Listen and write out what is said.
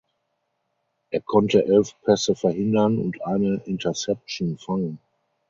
Er konnte elf Pässe verhindern und eine Interception fangen.